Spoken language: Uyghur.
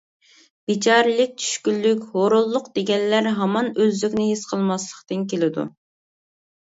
بىچارىلىك، چۈشكۈنلۈك، ھۇرۇنلۇق دېگەنلەر ھامان ئۆزلۈكنى ھېس قىلماسلىقتىن كېلىدۇ.